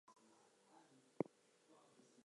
Making it a part of my identity was understandable.